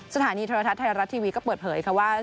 สถานีโทรทัศน์ไทยรัฐทีวีก็เปิดเผยค่ะว่า